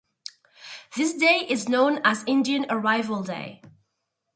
This day is known as Indian Arrival Day.